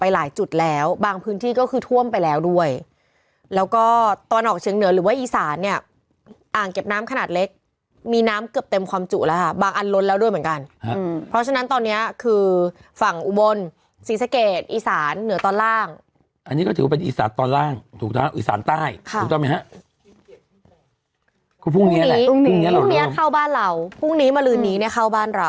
ไปหลายจุดแล้วบางพื้นที่ก็คือท่วมไปแล้วด้วยแล้วก็ตอนออกเชียงเหนือหรือว่าอีสานเนี่ยอ่างเก็บน้ำขนาดเล็กมีน้ำเกือบเต็มความจุแล้วฮะบางอันล้นแล้วด้วยเหมือนกันเพราะฉะนั้นตอนนี้คือฝั่งอุบลศรีสะเกตอีสานเหนือตอนล่างอันนี้ก็ถือว่าเป็นอีสานตอนล่างถูกต้องอีสานใต้ถูกต้องไหมฮะ